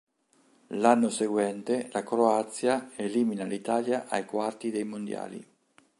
L’anno seguente la Croazia elimina l’Italia ai quarti dei mondiali.